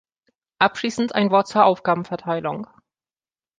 Abschließend ein Wort zur Aufgabenverteilung.